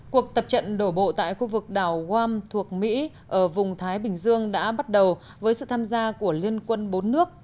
cuộc tập trận đổ bộ tại khu vực đảo wam thuộc mỹ ở vùng thái bình dương đã bắt đầu với sự tham gia của liên quân bốn nước